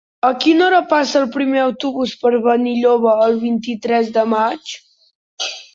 A quina hora passa el primer autobús per Benilloba el vint-i-tres de maig?